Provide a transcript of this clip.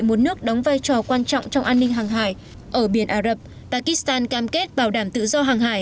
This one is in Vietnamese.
một nước đóng vai trò quan trọng trong an ninh hàng hải ở biển ả rập takistan cam kết bảo đảm tự do hàng hải